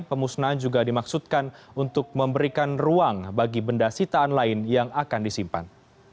pemusnahan juga dimaksudkan untuk memberikan ruang bagi benda sitaan lain yang akan disimpan